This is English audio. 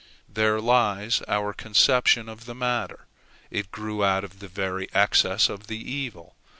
There lies our conception of the matter. It grew out of the very excess of the evil.